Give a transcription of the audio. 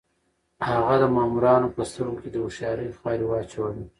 هغه د مامورانو په سترګو کې د هوښيارۍ خاورې واچولې.